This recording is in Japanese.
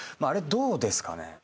あれどうですかね？